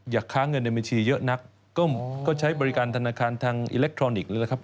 ค้าเงินในบัญชีเยอะนักก็ใช้บริการธนาคารทางอิเล็กทรอนิกส์นะครับ